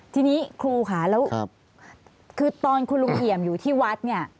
ทีนี้ครูค่ะแล้วคือตอนคุณลุงเอี่ยมอยู่ที่วัดเนี่ย